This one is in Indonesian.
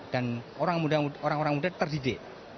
dan orang orang muda terdidik